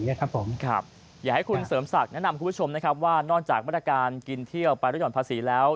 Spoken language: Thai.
อยากให้คุณเสริมศักดิ์แนะนำคุณผู้ชมนะครับว่านอกจากมาตรการกินเที่ยวไปลดห่อนภาษีแล้ว